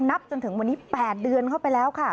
นับจนถึงวันนี้๘เดือนเข้าไปแล้วค่ะ